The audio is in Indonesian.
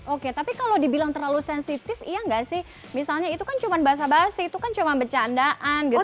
oke tapi kalau dibilang terlalu sensitif iya nggak sih misalnya itu kan cuma basah basi itu kan cuma bercandaan gitu